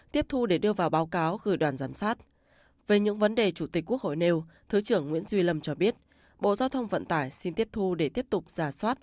thứ trưởng nguyễn duy lâm cho biết bộ giao thông vận tải xin tiếp thu để tiếp tục giả soát